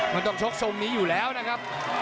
มันต้องชกทรงนี้อยู่แล้วนะครับ